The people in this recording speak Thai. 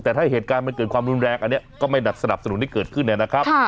แต่ถ้าเหตุการณ์มันเกิดความรุนแรงอันนี้ก็ไม่สนับสนุนให้เกิดขึ้นเนี่ยนะครับ